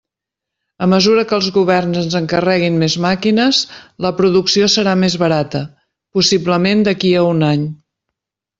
A mesura que els governs ens encarreguin més màquines, la producció serà més barata, possiblement d'aquí a un any.